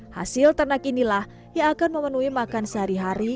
hasil ternak inilah yang akan memenuhi makan sehari hari